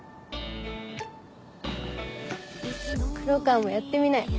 黒川もやってみなよ。